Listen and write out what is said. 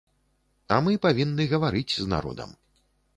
А мы павінны гаварыць з народам.